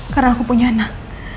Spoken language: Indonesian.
karena aku punya anak